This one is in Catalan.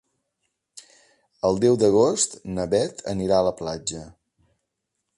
El deu d'agost na Beth anirà a la platja.